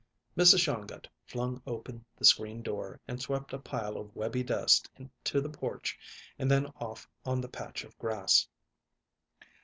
Mrs. Shongut flung open the screen door and swept a pile of webby dust to the porch and then off on the patch of grass.